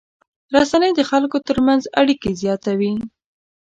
رسنۍ د خلکو تر منځ اړیکې زیاتوي.